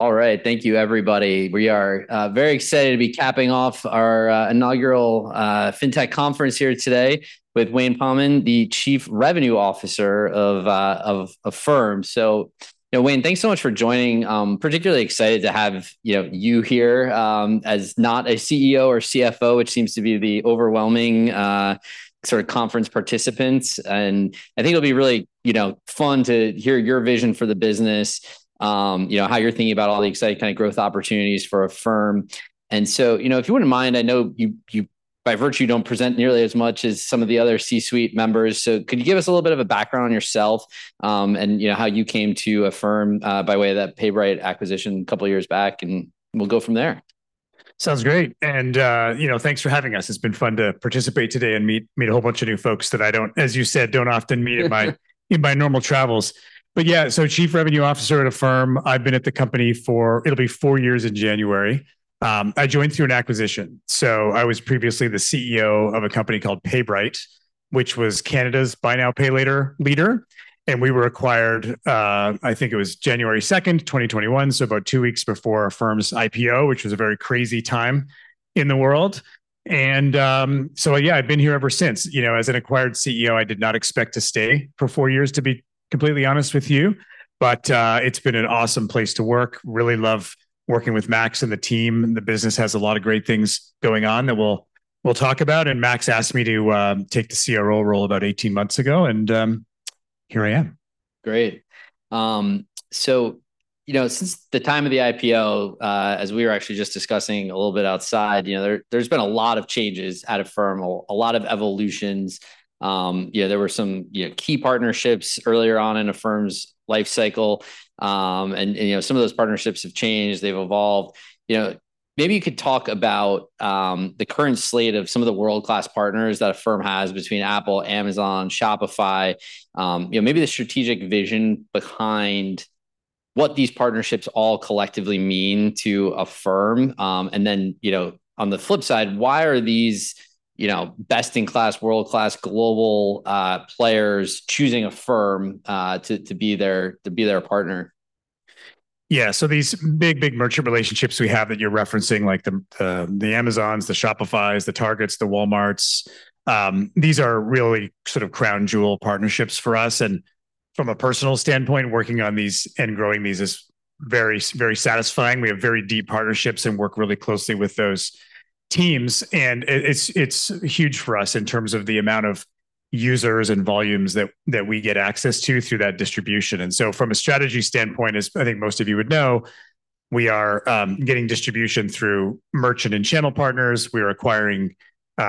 All right. Thank you, everybody. We are very excited to be capping off our inaugural FinTech conference here today with Wayne Pommen, the Chief Revenue Officer of Affirm. So, Wayne, thanks so much for joining. I'm particularly excited to have you here as not a CEO or CFO, which seems to be the overwhelming sort of conference participants. And I think it'll be really fun to hear your vision for the business, how you're thinking about all the exciting kind of growth opportunities for Affirm. And so, if you wouldn't mind, I know you, by virtue, don't present nearly as much as some of the other C-suite members. So could you give us a little bit of a background on yourself and how you came to Affirm by way of that PayBright acquisition a couple of years back? And we'll go from there. Sounds great, and thanks for having us. It's been fun to participate today and meet a whole bunch of new folks that, as you said, I don't often meet in my normal travels, but yeah, so Chief Revenue Officer at Affirm, I've been at the company for. It'll be four years in January. I joined through an acquisition, so I was previously the CEO of a company called PayBright, which was Canada's Buy Now Pay Later leader. And we were acquired, I think it was January 2, 2021, so about two weeks before our Affirm's IPO, which was a very crazy time in the world, and so, yeah, I've been here ever since. As an acquired CEO, I did not expect to stay for four years, to be completely honest with you, but it's been an awesome place to work. Really love working with Max and the team. The business has a lot of great things going on that we'll talk about. And Max asked me to take the CRO role about 18 months ago. And here I am. Great. So since the time of the IPO, as we were actually just discussing a little bit outside, there's been a lot of changes at Affirm, a lot of evolutions. There were some key partnerships earlier on in Affirm's life cycle. And some of those partnerships have changed. They've evolved. Maybe you could talk about the current slate of some of the world-class partners that Affirm has between Apple, Amazon, Shopify, maybe the strategic vision behind what these partnerships all collectively mean to Affirm. And then on the flip side, why are these best-in-class, world-class, global players choosing Affirm to be their partner? Yeah. So these big, big merchant relationships we have that you're referencing, like the Amazons, the Shopifys, the Targets, the Walmarts, these are really sort of crown jewel partnerships for us. And from a personal standpoint, working on these and growing these is very satisfying. We have very deep partnerships and work really closely with those teams. And it's huge for us in terms of the amount of users and volumes that we get access to through that distribution. And so from a strategy standpoint, as I think most of you would know, we are getting distribution through merchant and channel partners. We are acquiring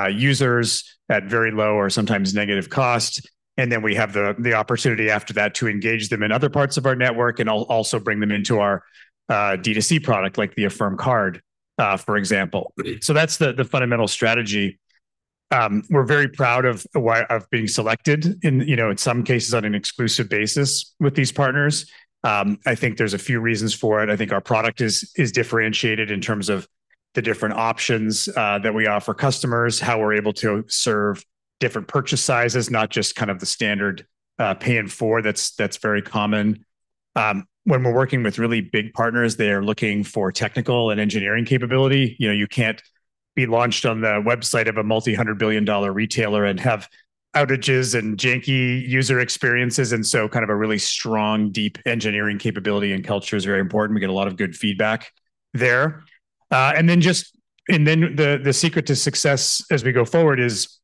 users at very low or sometimes negative cost. And then we have the opportunity after that to engage them in other parts of our network and also bring them into our D2C product, like the Affirm Card, for example. So that's the fundamental strategy. We're very proud of being selected in some cases on an exclusive basis with these partners. I think there's a few reasons for it. I think our product is differentiated in terms of the different options that we offer customers, how we're able to serve different purchase sizes, not just kind of the standard Pay in 4 that's very common. When we're working with really big partners, they are looking for technical and engineering capability. You can't be launched on the website of a multi-hundred-billion-dollar retailer and have outages and janky user experiences, and so kind of a really strong, deep engineering capability and culture is very important. We get a lot of good feedback there, and then the secret to success as we go forward is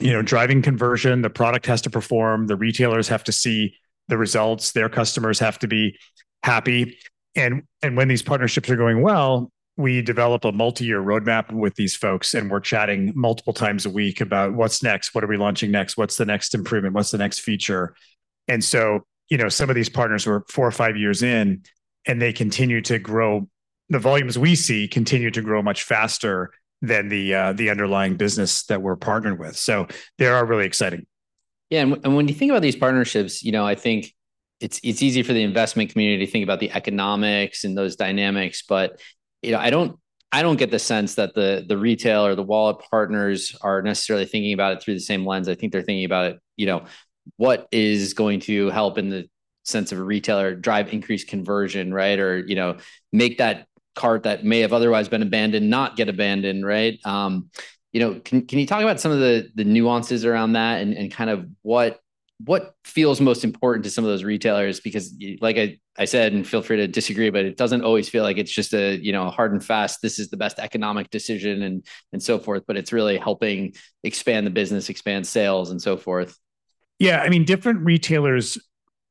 driving conversion. The product has to perform. The retailers have to see the results. Their customers have to be happy. And when these partnerships are going well, we develop a multi-year roadmap with these folks. And we're chatting multiple times a week about what's next, what are we launching next, what's the next improvement, what's the next feature. And so some of these partners were four or five years in, and they continue to grow. The volumes we see continue to grow much faster than the underlying business that we're partnered with. So they are really exciting. Yeah. And when you think about these partnerships, I think it's easy for the investment community to think about the economics and those dynamics. But I don't get the sense that the retail or the wallet partners are necessarily thinking about it through the same lens. I think they're thinking about what is going to help in the sense of a retailer drive increased conversion, right, or make that cart that may have otherwise been abandoned not get abandoned, right? Can you talk about some of the nuances around that and kind of what feels most important to some of those retailers? Because like I said, and feel free to disagree, but it doesn't always feel like it's just a hard and fast, this is the best economic decision and so forth, but it's really helping expand the business, expand sales, and so forth. Yeah. I mean, different retailers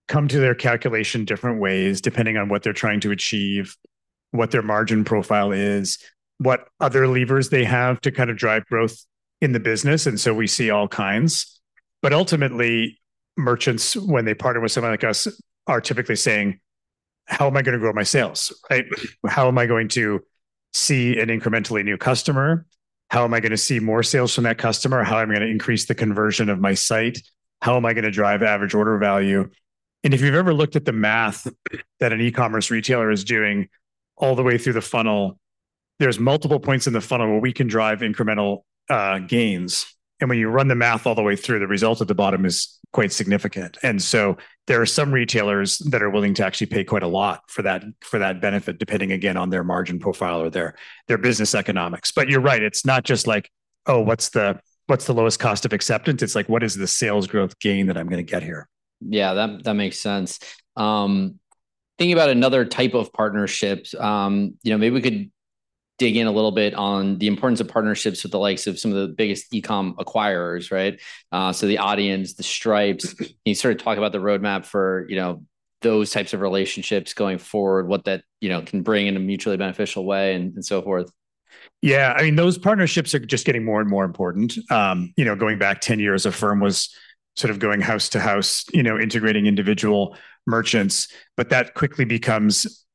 come to their calculation different ways depending on what they're trying to achieve, what their margin profile is, what other levers they have to kind of drive growth in the business. And so we see all kinds. But ultimately, merchants, when they partner with someone like us, are typically saying, "How am I going to grow my sales? How am I going to see an incrementally new customer? How am I going to see more sales from that customer? How am I going to increase the conversion of my site? How am I going to drive average order value?" And if you've ever looked at the math that an e-commerce retailer is doing all the way through the funnel, there's multiple points in the funnel where we can drive incremental gains. And when you run the math all the way through, the result at the bottom is quite significant. And so there are some retailers that are willing to actually pay quite a lot for that benefit, depending, again, on their margin profile or their business economics. But you're right. It's not just like, "Oh, what's the lowest cost of acceptance?" It's like, "What is the sales growth gain that I'm going to get here? Yeah, that makes sense. Thinking about another type of partnership, maybe we could dig in a little bit on the importance of partnerships with the likes of some of the biggest e-com acquirers, right? So the Adyen, the Stripe. Can you sort of talk about the roadmap for those types of relationships going forward, what that can bring in a mutually beneficial way and so forth? Yeah. I mean, those partnerships are just getting more and more important. Going back 10 years, Affirm was sort of going house to house, integrating individual merchants, but that quickly becomes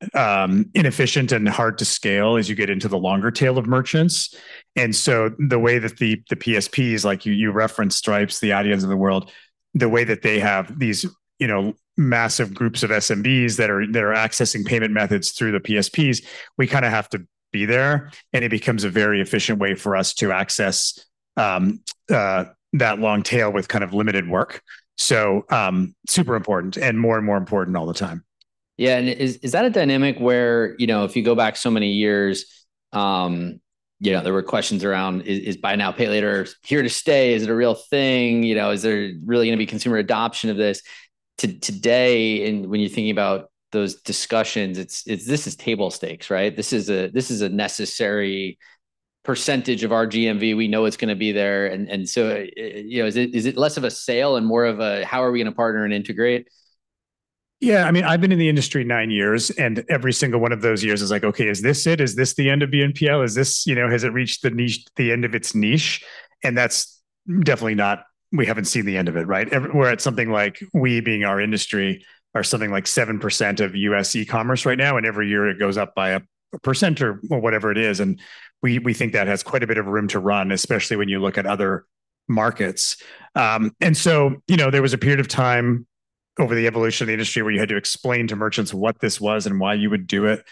inefficient and hard to scale as you get into the longer tail of merchants, and so the way that the PSPs, like you referenced, Stripe, Adyen, the way that they have these massive groups of SMBs that are accessing payment methods through the PSPs, we kind of have to be there, and it becomes a very efficient way for us to access that long tail with kind of limited work, so super important and more and more important all the time. Yeah. And is that a dynamic where if you go back so many years, there were questions around, is Buy Now Pay Later here to stay? Is it a real thing? Is there really going to be consumer adoption of this? Today, when you're thinking about those discussions, this is table stakes, right? This is a necessary percentage of our GMV. We know it's going to be there. And so is it less of a sale and more of a, how are we going to partner and integrate? Yeah. I mean, I've been in the industry nine years, and every single one of those years is like, "Okay, is this it? Is this the end of BNPL? Has it reached the end of its niche?" and that's definitely not, we haven't seen the end of it, right? We're at something like we, being our industry, are something like 7% of U.S. e-commerce right now, and every year it goes up by a percent or whatever it is, and we think that has quite a bit of room to run, especially when you look at other markets, and so there was a period of time over the evolution of the industry where you had to explain to merchants what this was and why you would do it.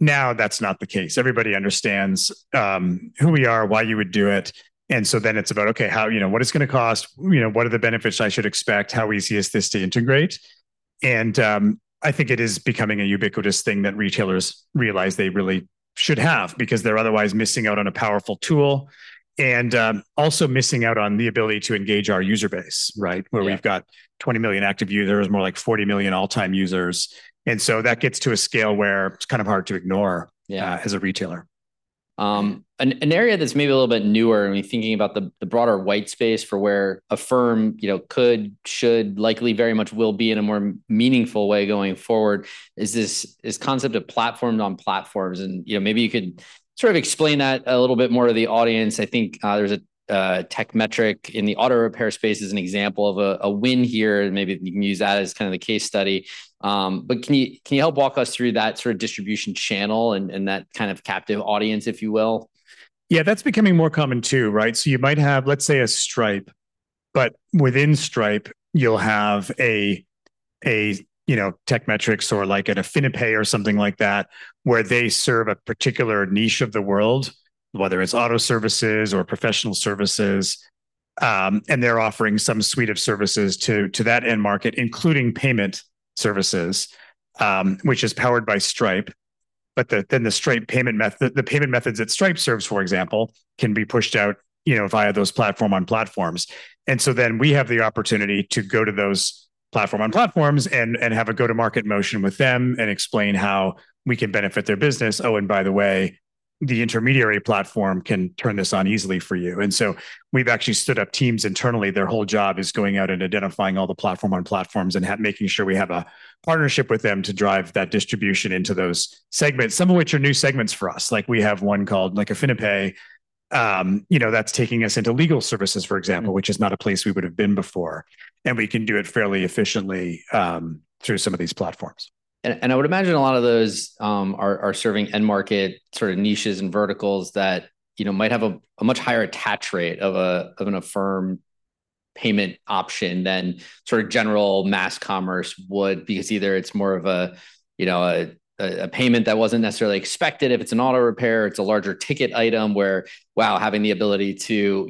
Now that's not the case. Everybody understands who we are, why you would do it. And so then it's about, "Okay, what it's going to cost? What are the benefits I should expect? How easy is this to integrate?" And I think it is becoming a ubiquitous thing that retailers realize they really should have because they're otherwise missing out on a powerful tool and also missing out on the ability to engage our user base, right, where we've got 20 million active users, more like 40 million all-time users. And so that gets to a scale where it's kind of hard to ignore as a retailer. An area that's maybe a little bit newer, I mean, thinking about the broader white space for where Affirm could, should, likely very much will be in a more meaningful way going forward, is this concept of platforms on platforms. Maybe you could sort of explain that a little bit more to the audience. I think there's a Tekmetric in the auto repair space as an example of a win here. Maybe you can use that as kind of the case study. But can you help walk us through that sort of distribution channel and that kind of captive audience, if you will? Yeah, that's becoming more common too, right? So you might have, let's say, a Stripe. But within Stripe, you'll have a Tekmetric or like an AffiniPay or something like that where they serve a particular niche of the world, whether it's auto services or professional services. And they're offering some suite of services to that end market, including payment services, which is powered by Stripe. But then the payment methods that Stripe serves, for example, can be pushed out via those platform on platforms. And so then we have the opportunity to go to those platform on platforms and have a go-to-market motion with them and explain how we can benefit their business. Oh, and by the way, the intermediary platform can turn this on easily for you. And so we've actually stood up teams internally. Their whole job is going out and identifying all the platform on platforms and making sure we have a partnership with them to drive that distribution into those segments, some of which are new segments for us. Like we have one called AffiniPay that's taking us into legal services, for example, which is not a place we would have been before, and we can do it fairly efficiently through some of these platforms. And I would imagine a lot of those are serving end market sort of niches and verticals that might have a much higher attach rate of an Affirm payment option than sort of general mass commerce would because either it's more of a payment that wasn't necessarily expected, if it's an auto repair, it's a larger ticket item where, wow, having the ability to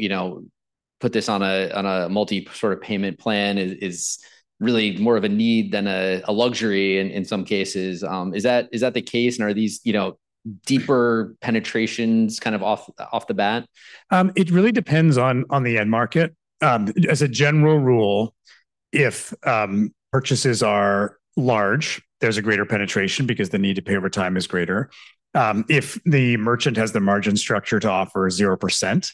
put this on a multi-sort of payment plan is really more of a need than a luxury in some cases. Is that the case? And are these deeper penetrations kind of off the bat? It really depends on the end market. As a general rule, if purchases are large, there's a greater penetration because the need to pay over time is greater. If the merchant has the margin structure to offer 0%,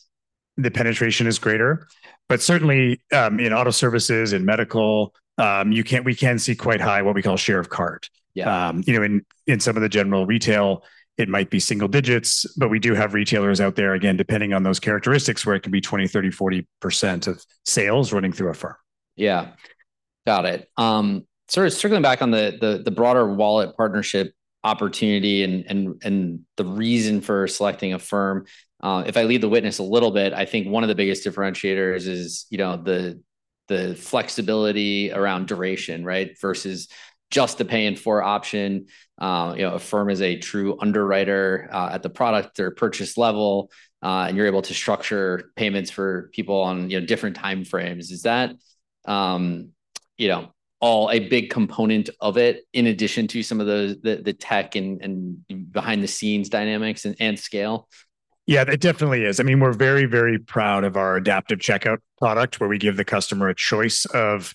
the penetration is greater. But certainly in auto services and medical, we can see quite high what we call share of cart. In some of the general retail, it might be single digits. But we do have retailers out there, again, depending on those characteristics where it can be 20%, 30%, 40% of sales running through Affirm. Yeah. Got it. Sort of circling back on the broader wallet partnership opportunity and the reason for selecting Affirm, if I lead the witness a little bit, I think one of the biggest differentiators is the flexibility around duration, right, versus just the Pay in 4 option. Affirm is a true underwriter at the product or purchase level. And you're able to structure payments for people on different time frames. Is that all a big component of it in addition to some of the tech and behind-the-scenes dynamics and scale? Yeah, it definitely is. I mean, we're very, very proud of our Adaptive Checkout product where we give the customer a choice of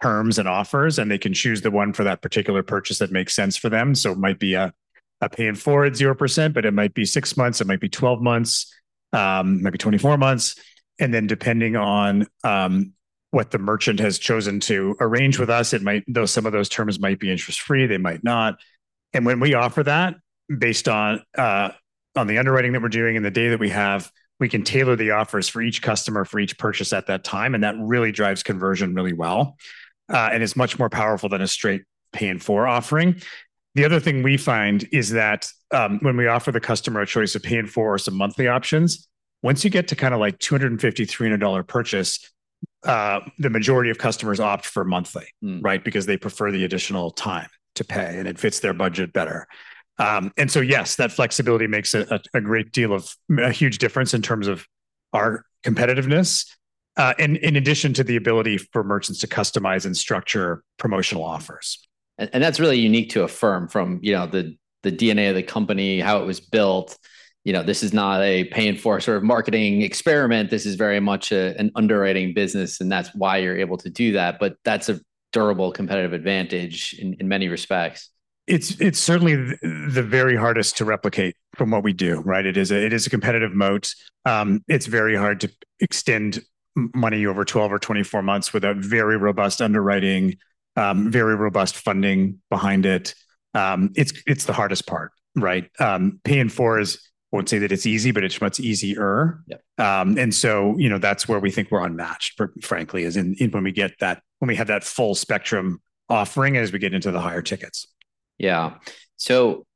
terms and offers. And they can choose the one for that particular purchase that makes sense for them. So it might be a pay in four 0%, but it might be six months. It might be 12 months, maybe 24 months. And then depending on what the merchant has chosen to arrange with us, some of those terms might be interest-free. They might not. And when we offer that based on the underwriting that we're doing and the data that we have, we can tailor the offers for each customer for each purchase at that time. And that really drives conversion really well and is much more powerful than a straight pay in four offering. The other thing we find is that when we offer the customer a choice of Pay in 4 and some monthly options, once you get to kind of like $250, $300 purchase, the majority of customers opt for monthly, right, because they prefer the additional time to pay, and it fits their budget better, and so yes, that flexibility makes a great deal of a huge difference in terms of our competitiveness in addition to the ability for merchants to customize and structure promotional offers. And that's really unique to Affirm from the DNA of the company, how it was built. This is not a pay-in-four sort of marketing experiment. This is very much an underwriting business. And that's why you're able to do that. But that's a durable competitive advantage in many respects. It's certainly the very hardest to replicate from what we do, right? It is a competitive moat. It's very hard to extend money over 12 or 24 months with a very robust underwriting, very robust funding behind it. It's the hardest part, right? Pay in 4 is, I won't say that it's easy, but it's much easier. And so that's where we think we're unmatched, frankly, is when we get that, when we have that full spectrum offering as we get into the higher tickets. Yeah. So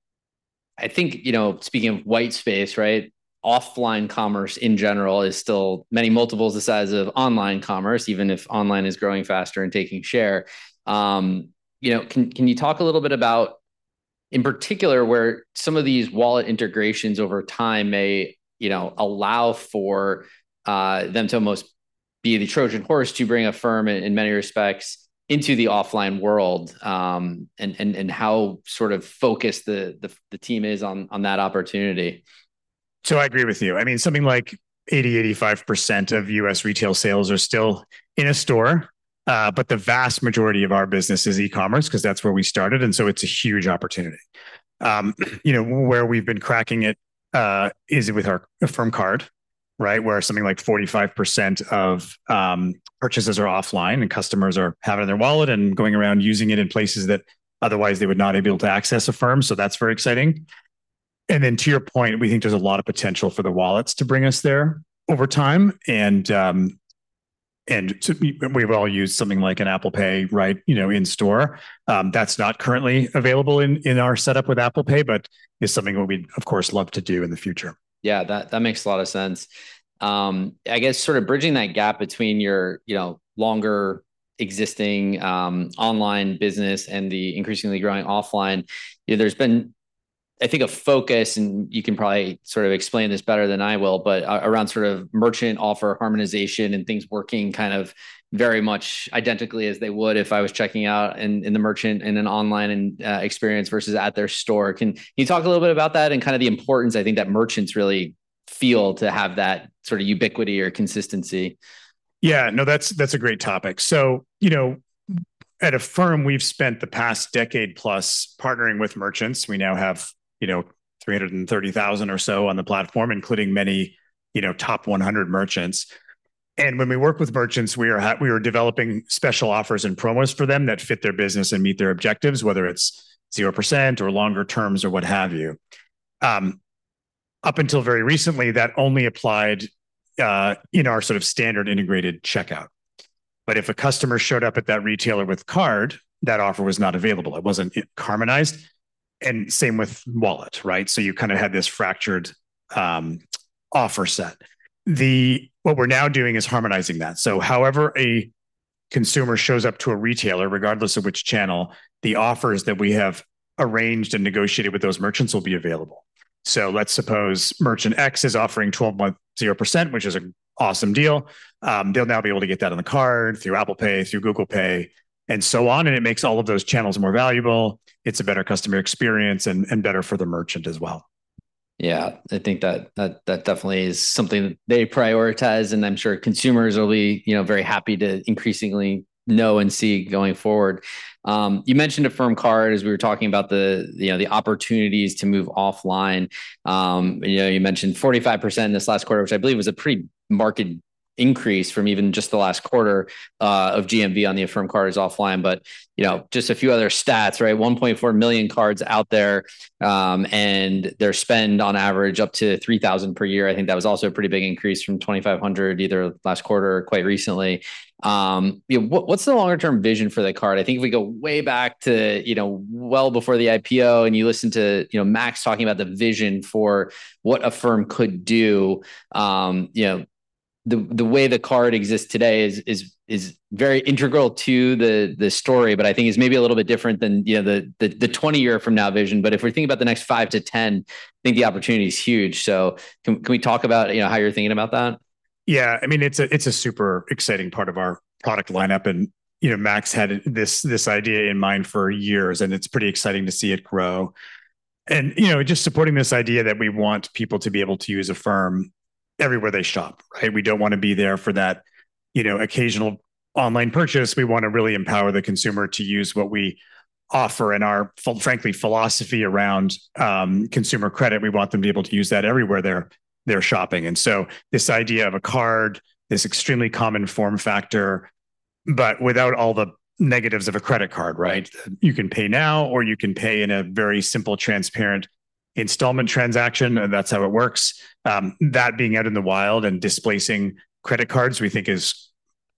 I think speaking of white space, right, offline commerce in general is still many multiples the size of online commerce, even if online is growing faster and taking share. Can you talk a little bit about, in particular, where some of these wallet integrations over time may allow for them to almost be the Trojan horse to bring Affirm in many respects into the offline world and how sort of focused the team is on that opportunity? So I agree with you. I mean, something like 80%-85% of U.S. retail sales are still in a store. But the vast majority of our business is e-commerce because that's where we started. And so it's a huge opportunity. Where we've been cracking it is with our Affirm Card, right, where something like 45% of purchases are offline and customers are having their wallet and going around using it in places that otherwise they would not be able to access Affirm. So that's very exciting. And then to your point, we think there's a lot of potential for the wallets to bring us there over time. And we've all used something like an Apple Pay, right, in store. That's not currently available in our setup with Apple Pay, but it's something that we, of course, love to do in the future. Yeah, that makes a lot of sense. I guess sort of bridging that gap between your longer existing online business and the increasingly growing offline, there's been, I think, a focus, and you can probably sort of explain this better than I will, but around sort of merchant offer harmonization and things working kind of very much identically as they would if I was checking out in the merchant in an online experience versus at their store. Can you talk a little bit about that and kind of the importance, I think, that merchants really feel to have that sort of ubiquity or consistency? Yeah. No, that's a great topic. So at Affirm, we've spent the past decade plus partnering with merchants. We now have 330,000 or so on the platform, including many top 100 merchants. And when we work with merchants, we are developing special offers and promos for them that fit their business and meet their objectives, whether it's 0% or longer terms or what have you. Up until very recently, that only applied in our sort of standard integrated checkout. But if a customer showed up at that retailer with card, that offer was not available. It wasn't harmonized. And same with wallet, right? So you kind of had this fractured offer set. What we're now doing is harmonizing that. So however a consumer shows up to a retailer, regardless of which channel, the offers that we have arranged and negotiated with those merchants will be available. Let's suppose merchant X is offering 12 months 0%, which is an awesome deal. They'll now be able to get that on the card through Apple Pay, through Google Pay, and so on. It makes all of those channels more valuable. It's a better customer experience and better for the merchant as well. Yeah. I think that definitely is something that they prioritize, and I'm sure consumers will be very happy to increasingly know and see going forward. You mentioned Affirm Card as we were talking about the opportunities to move offline. You mentioned 45% in this last quarter, which I believe was a pretty marked increase from even just the last quarter of GMV on the Affirm Cards offline. But just a few other stats, right? 1.4 million cards out there, and their spend on average up to $3,000 per year. I think that was also a pretty big increase from $2,500 either last quarter or quite recently. What's the longer-term vision for the card? I think if we go way back to well before the IPO and you listen to Max talking about the vision for what Affirm could do, the way the card exists today is very integral to the story, but I think it's maybe a little bit different than the 20-year-from-now vision. But if we're thinking about the next 5 to 10, I think the opportunity is huge. So can we talk about how you're thinking about that? Yeah. I mean, it's a super exciting part of our product lineup. And Max had this idea in mind for years. And it's pretty exciting to see it grow. And just supporting this idea that we want people to be able to use Affirm everywhere they shop, right? We don't want to be there for that occasional online purchase. We want to really empower the consumer to use what we offer in our, frankly, philosophy around consumer credit. We want them to be able to use that everywhere they're shopping. And so this idea of a card, this extremely common form factor, but without all the negatives of a credit card, right? You can pay now or you can pay in a very simple, transparent installment transaction. And that's how it works. That being out in the wild and displacing credit cards, we think, is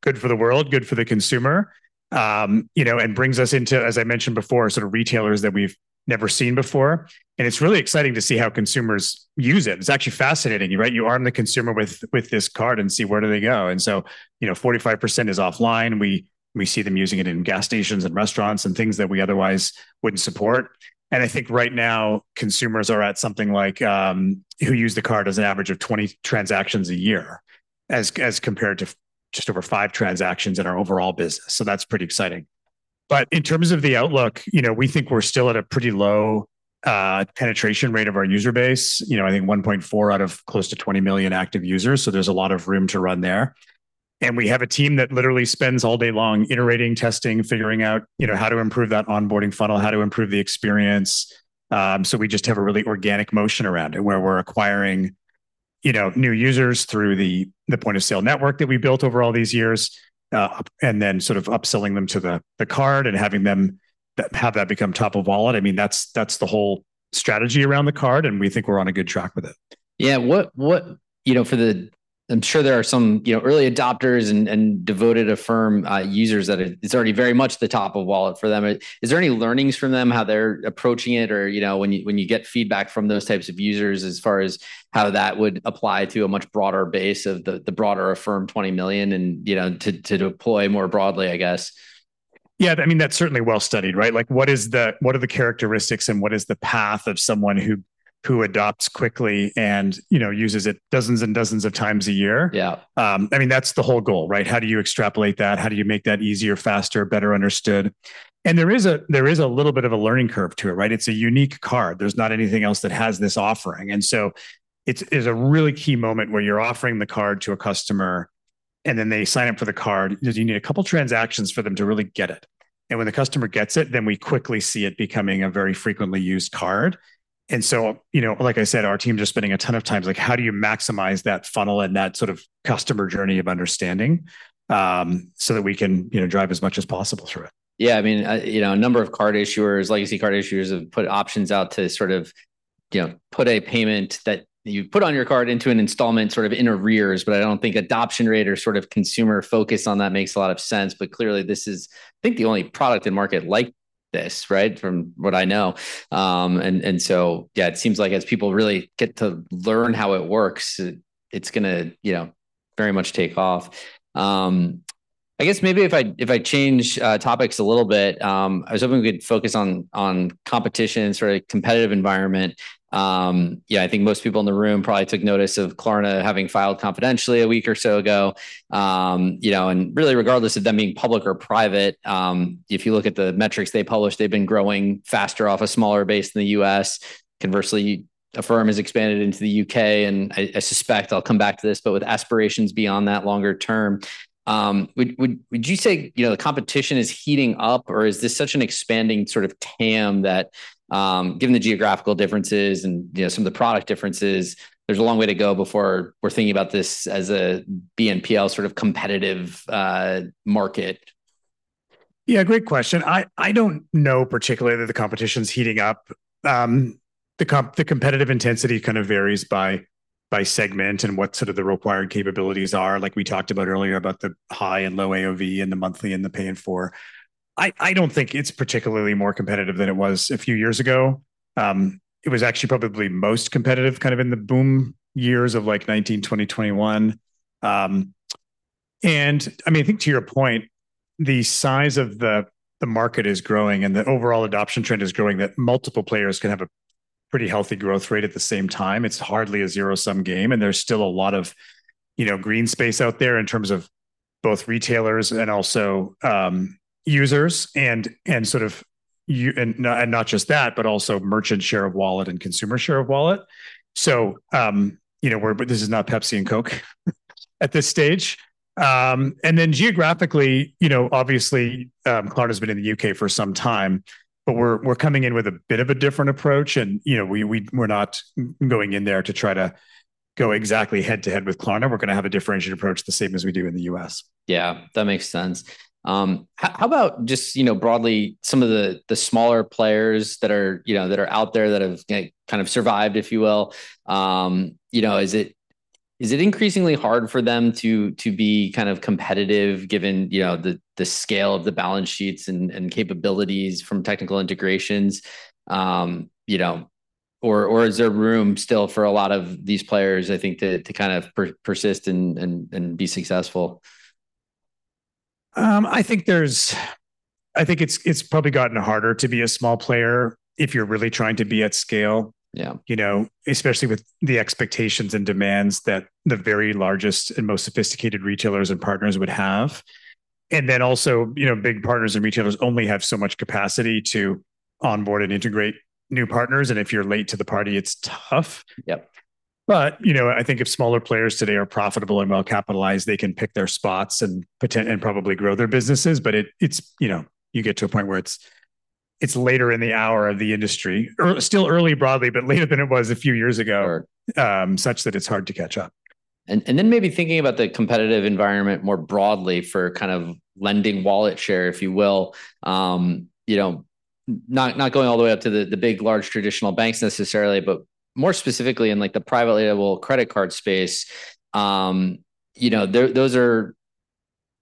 good for the world, good for the consumer, and brings us into, as I mentioned before, sort of retailers that we've never seen before. And it's really exciting to see how consumers use it. It's actually fascinating, right? You arm the consumer with this card and see where do they go. And so 45% is offline. We see them using it in gas stations and restaurants and things that we otherwise wouldn't support. And I think right now, consumers are at something like who use the card as an average of 20 transactions a year as compared to just over five transactions in our overall business. So that's pretty exciting. But in terms of the outlook, we think we're still at a pretty low penetration rate of our user base. I think 1.4 out of close to 20 million active users. So there's a lot of room to run there. And we have a team that literally spends all day long iterating, testing, figuring out how to improve that onboarding funnel, how to improve the experience. So we just have a really organic motion around it where we're acquiring new users through the point of sale network that we built over all these years and then sort of upselling them to the card and having them have that become top of wallet. I mean, that's the whole strategy around the card. And we think we're on a good track with it. Yeah. I'm sure there are some early adopters and devoted Affirm users that it's already very much the top of wallet for them. Is there any learnings from them, how they're approaching it, or when you get feedback from those types of users as far as how that would apply to a much broader base of the broader Affirm 20 million and to deploy more broadly, I guess? Yeah. I mean, that's certainly well studied, right? What are the characteristics and what is the path of someone who adopts quickly and uses it dozens and dozens of times a year? I mean, that's the whole goal, right? How do you extrapolate that? How do you make that easier, faster, better understood? And there is a little bit of a learning curve to it, right? It's a unique card. There's not anything else that has this offering. And so it's a really key moment where you're offering the card to a customer. And then they sign up for the card. You need a couple of transactions for them to really get it. And when the customer gets it, then we quickly see it becoming a very frequently used card. And so, like I said, our team is just spending a ton of times like, how do you maximize that funnel and that sort of customer journey of understanding so that we can drive as much as possible through it? Yeah. I mean, a number of card issuers, legacy card issuers, have put options out to sort of put a payment that you put on your card into an installment sort of interest-free. But I don't think adoption rate or sort of consumer focus on that makes a lot of sense. But clearly, this is, I think, the only product and market like this, right, from what I know. And so, yeah, it seems like as people really get to learn how it works, it's going to very much take off. I guess maybe if I change topics a little bit, I was hoping we could focus on competition, sort of competitive environment. I think most people in the room probably took notice of Klarna having filed confidentially a week or so ago. And really, regardless of them being public or private, if you look at the metrics they published, they've been growing faster off a smaller base in the U.S. Conversely, Affirm has expanded into the U.K. And I suspect I'll come back to this, but with aspirations beyond that longer term. Would you say the competition is heating up, or is this such an expanding sort of TAM that, given the geographical differences and some of the product differences, there's a long way to go before we're thinking about this as a BNPL sort of competitive market? Yeah, great question. I don't know particularly that the competition's heating up. The competitive intensity kind of varies by segment and what sort of the required capabilities are. Like we talked about earlier about the high and low AOV and the monthly and the pay in four. I don't think it's particularly more competitive than it was a few years ago. It was actually probably most competitive kind of in the boom years of like 2019, 2020, 2021. And I mean, I think to your point, the size of the market is growing and the overall adoption trend is growing that multiple players can have a pretty healthy growth rate at the same time. It's hardly a zero-sum game. There's still a lot of green space out there in terms of both retailers and also users and sort of, and not just that, but also merchant share of wallet and consumer share of wallet. This is not Pepsi and Coke at this stage. Geographically, obviously, Klarna has been in the U.K. for some time, but we're coming in with a bit of a different approach. We're not going in there to try to go exactly head to head with Klarna. We're going to have a differentiated approach the same as we do in the U.S. Yeah, that makes sense. How about just broadly some of the smaller players that are out there that have kind of survived, if you will? Is it increasingly hard for them to be kind of competitive given the scale of the balance sheets and capabilities from technical integrations? Or is there room still for a lot of these players, I think, to kind of persist and be successful? I think it's probably gotten harder to be a small player if you're really trying to be at scale, especially with the expectations and demands that the very largest and most sophisticated retailers and partners would have. And then also, big partners and retailers only have so much capacity to onboard and integrate new partners. And if you're late to the party, it's tough. But I think if smaller players today are profitable and well-capitalized, they can pick their spots and probably grow their businesses. But you get to a point where it's later in the hour of the industry, or still early broadly, but later than it was a few years ago, such that it's hard to catch up. Then maybe thinking about the competitive environment more broadly for kind of lending wallet share, if you will, not going all the way up to the big, large traditional banks necessarily, but more specifically in the private label credit card space, those are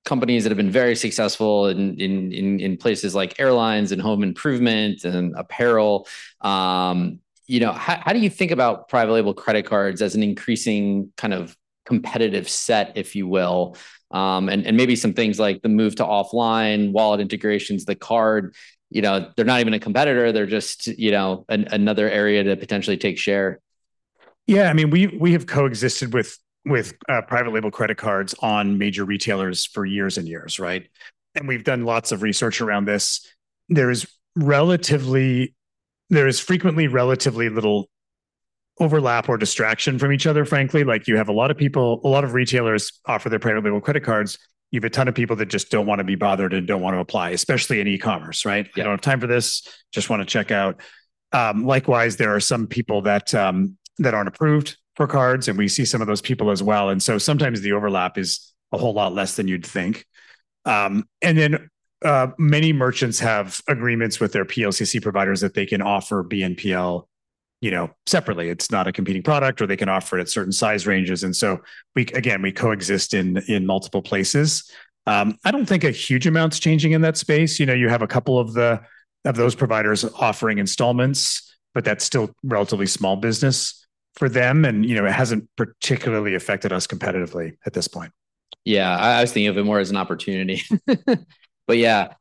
companies that have been very successful in places like airlines and home improvement and apparel. How do you think about private label credit cards as an increasing kind of competitive set, if you will? And maybe some things like the move to offline, wallet integrations, the card, they're not even a competitor. They're just another area to potentially take share. Yeah. I mean, we have coexisted with private label credit cards on major retailers for years and years, right? And we've done lots of research around this. There is frequently relatively little overlap or distraction from each other, frankly. Like you have a lot of people, a lot of retailers offer their private label credit cards. You have a ton of people that just don't want to be bothered and don't want to apply, especially in e-commerce, right? I don't have time for this. Just want to check out. Likewise, there are some people that aren't approved for cards. And we see some of those people as well. And so sometimes the overlap is a whole lot less than you'd think. And then many merchants have agreements with their PLCC providers that they can offer BNPL separately. It's not a competing product, or they can offer it at certain size ranges. And so, again, we coexist in multiple places. I don't think a huge amount's changing in that space. You have a couple of those providers offering installments, but that's still relatively small business for them. And it hasn't particularly affected us competitively at this point. Yeah. I was thinking of it more as an opportunity. But yeah,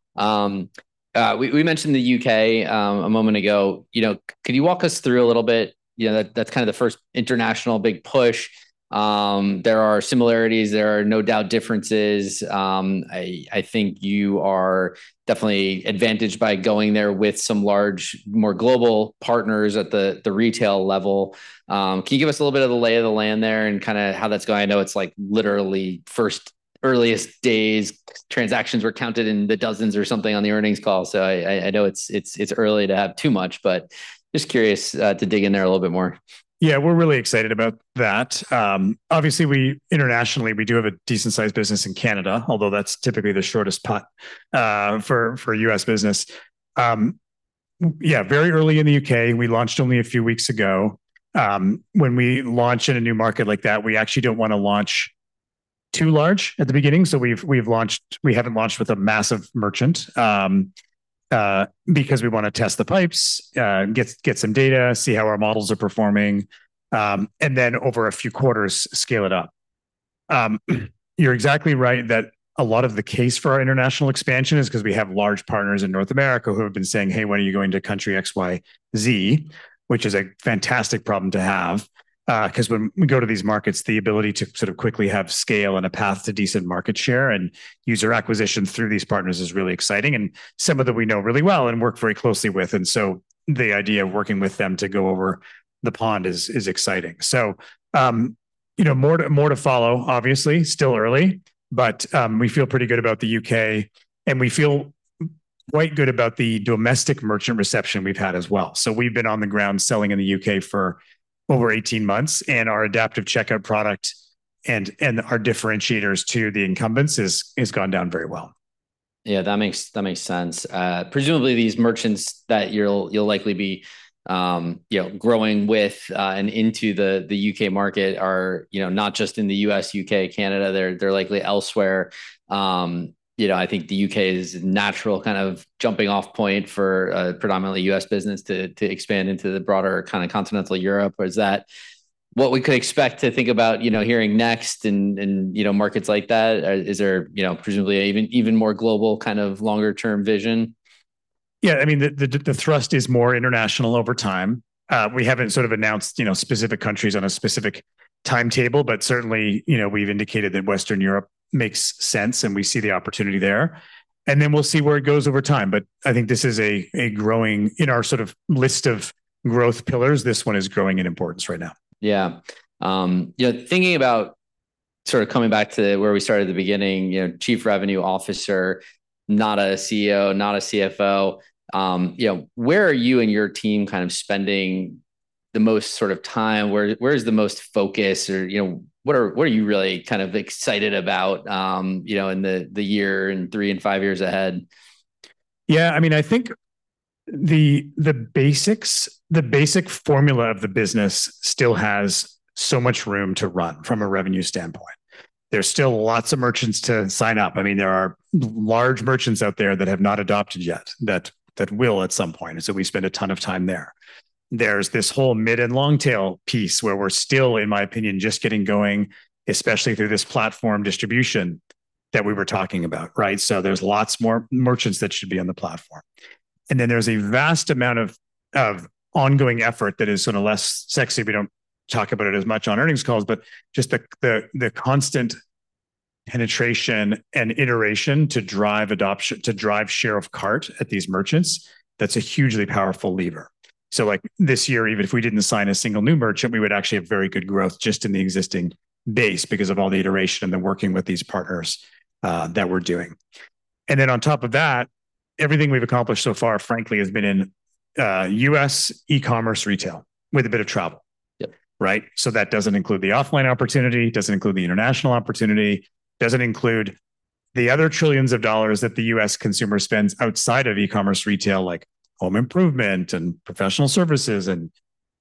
we mentioned the U.K. a moment ago. Could you walk us through a little bit? That's kind of the first international big push. There are similarities. There are no doubt differences. I think you are definitely advantaged by going there with some large, more global partners at the retail level. Can you give us a little bit of the lay of the land there and kind of how that's going? I know it's like literally first, earliest days. Transactions were counted in the dozens or something on the earnings call. So I know it's early to have too much, but just curious to dig in there a little bit more. Yeah, we're really excited about that. Obviously, internationally, we do have a decent-sized business in Canada, although that's typically the shortest path for U.S. business. Yeah, very early in the U.K. We launched only a few weeks ago. When we launch in a new market like that, we actually don't want to launch too large at the beginning. So we haven't launched with a massive merchant because we want to test the pipes, get some data, see how our models are performing, and then over a few quarters, scale it up. You're exactly right that a lot of the case for our international expansion is because we have large partners in North America who have been saying, "Hey, when are you going to country X, Y, Z?" which is a fantastic problem to have because when we go to these markets, the ability to sort of quickly have scale and a path to decent market share and user acquisition through these partners is really exciting and some of them we know really well and work very closely with, and so the idea of working with them to go over the pond is exciting, so more to follow, obviously, still early, but we feel pretty good about the U.K., and we feel quite good about the domestic merchant reception we've had as well, so we've been on the ground selling in the U.K. for over 18 months. Our Adaptive Checkout product and our differentiators to the incumbents has gone down very well. Yeah, that makes sense. Presumably, these merchants that you'll likely be growing with and into the U.K. market are not just in the U.S., U.K., Canada. They're likely elsewhere. I think the U.K. is a natural kind of jumping-off point for predominantly U.S. business to expand into the broader kind of continental Europe. Is that what we could expect to think about hearing next in markets like that? Is there presumably an even more global kind of longer-term vision? Yeah. I mean, the thrust is more international over time. We haven't sort of announced specific countries on a specific timetable, but certainly, we've indicated that Western Europe makes sense and we see the opportunity there, and then we'll see where it goes over time, but I think this is a growing in our sort of list of growth pillars, this one is growing in importance right now. Yeah. Thinking about sort of coming back to where we started at the beginning, Chief Revenue Officer, not a CEO, not a CFO, where are you and your team kind of spending the most sort of time? Where is the most focus? Or what are you really kind of excited about in the year and three and five years ahead? Yeah. I mean, I think the basic formula of the business still has so much room to run from a revenue standpoint. There's still lots of merchants to sign up. I mean, there are large merchants out there that have not adopted yet that will at some point. And so we spend a ton of time there. There's this whole mid and long tail piece where we're still, in my opinion, just getting going, especially through this platform distribution that we were talking about, right? So there's lots more merchants that should be on the platform. And then there's a vast amount of ongoing effort that is sort of less sexy. We don't talk about it as much on earnings calls, but just the constant penetration and iteration to drive share of cart at these merchants, that's a hugely powerful lever. So this year, even if we didn't sign a single new merchant, we would actually have very good growth just in the existing base because of all the iteration and the working with these partners that we're doing. And then on top of that, everything we've accomplished so far, frankly, has been in U.S. e-commerce retail with a bit of travel, right? So that doesn't include the offline opportunity, doesn't include the international opportunity, doesn't include the other trillions of dollars that the U.S. consumer spends outside of e-commerce retail like home improvement and professional services and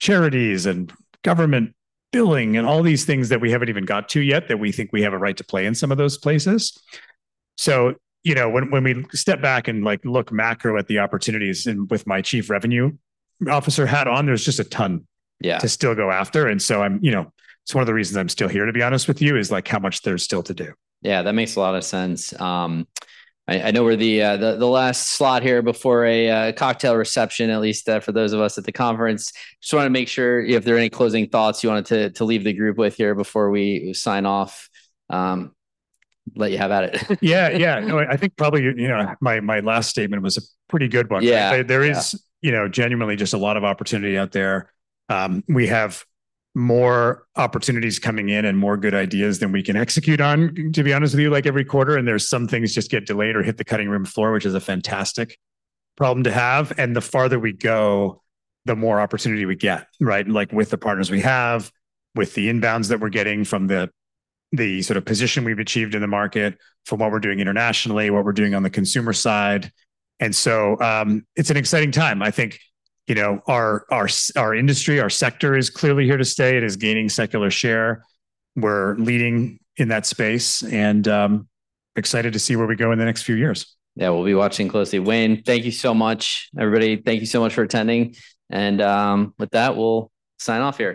charities and government billing and all these things that we haven't even got to yet that we think we have a right to play in some of those places. So when we step back and look macro at the opportunities and with my Chief Revenue Officer hat on, there's just a ton to still go after. And so it's one of the reasons I'm still here, to be honest with you, is how much there's still to do. Yeah, that makes a lot of sense. I know we're the last slot here before a cocktail reception, at least for those of us at the conference. Just want to make sure if there are any closing thoughts you wanted to leave the group with here before we sign off, let you have at it. Yeah, yeah. I think probably my last statement was a pretty good one. There is genuinely just a lot of opportunity out there. We have more opportunities coming in and more good ideas than we can execute on, to be honest with you, like every quarter. And there's some things just get delayed or hit the cutting room floor, which is a fantastic problem to have. And the farther we go, the more opportunity we get, right? Like with the partners we have, with the inbounds that we're getting from the sort of position we've achieved in the market, from what we're doing internationally, what we're doing on the consumer side. And so it's an exciting time. I think our industry, our sector is clearly here to stay. It is gaining secular share. We're leading in that space and excited to see where we go in the next few years. Yeah, we'll be watching closely. Wayne, thank you so much, everybody. Thank you so much for attending, and with that, we'll sign off here.